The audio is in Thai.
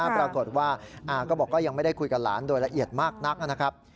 ปรากฏว่าอาก็บอกว่ายังไม่ได้คุยกับหลานโดยละเอียดมากนักนะครับ